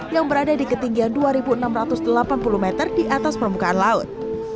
yang berada di ketinggian dua enam ratus delapan puluh meter di atas permukaan laut